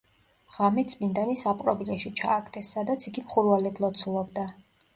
ღამით წმიდანი საპყრობილეში ჩააგდეს, სადაც იგი მხურვალედ ლოცულობდა.